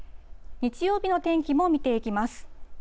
日曜日の天気も見ていきます。